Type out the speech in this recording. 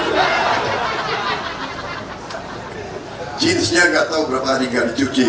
jeansnya gak tau berapa hari gak dicuci